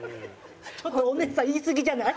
ちょっとお姉さん言いすぎじゃない？